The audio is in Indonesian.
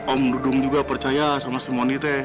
om dudung juga percaya sama si nondi teh